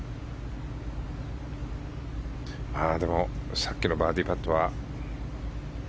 でもさっきのバーディーパットは。